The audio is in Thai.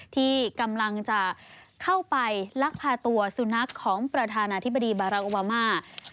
ที่กำลังจะเข้าไปลักพาตัวสุนัขของประธานาธิบดีบาราโอวามา